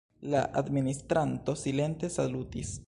La administranto silente salutis.